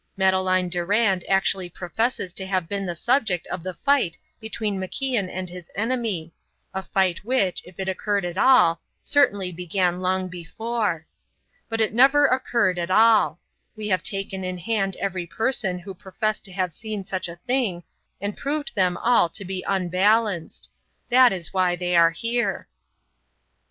Madeleine Durand actually professes to have been the subject of the fight between MacIan and his enemy, a fight which, if it occurred at all, certainly began long before. But it never occurred at all. We have taken in hand every person who professed to have seen such a thing, and proved them all to be unbalanced. That is why they are here."